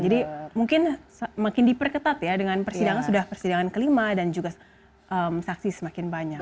jadi mungkin makin diperketat ya dengan persidangan sudah persidangan kelima dan juga saksi semakin banyak